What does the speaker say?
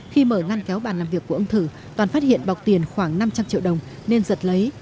khi mở ngăn kéo bàn làm việc của ông thử toàn phát hiện bọc tiền khoảng năm trăm linh triệu đồng nên giật lấy